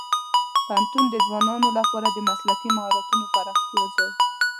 پوهنتون د ځوانانو لپاره د مسلکي مهارتونو پراختیا ځای دی.